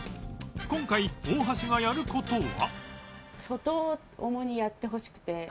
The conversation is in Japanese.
今回大橋がやる事は？